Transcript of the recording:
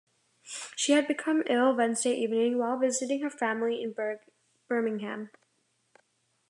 She had become ill Wednesday evening, while visiting her family in Birmingham.